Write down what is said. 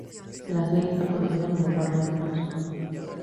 La serie está producida por Warner Bros.